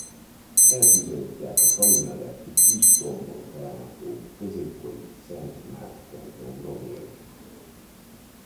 Ezt bizonyítják a falu melletti kis dombon található középkori Szent Márk templom romjai.